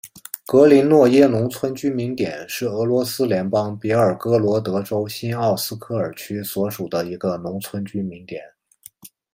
格林诺耶农村居民点是俄罗斯联邦别尔哥罗德州新奥斯科尔区所属的一个农村居民点。